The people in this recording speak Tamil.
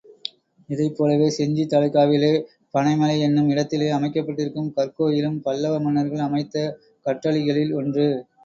இதைப்போலவே செஞ்சித் தாலுக்காவிலே பனை மலை என்னும் இடத்திலே அமைக்கப்பட்டிருக்கும் கற்கோயிலும் பல்லவ மன்னர்கள் அமைத்த கற்றளிகளில் ஒன்று.